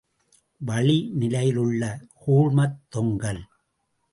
வளிநிலையிலுள்ள கூழ்மத் தொங்கல்.